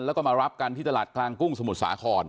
แล้วก็มารับกันที่ตลาดกลางกุ้งสมุทรสาคร